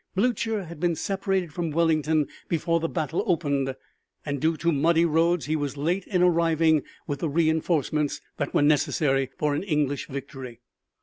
Blucher had been separated from Wellington before the battle opened, and due to muddy roads he was late in arriving with the reenforcements that were necessary for an English victory.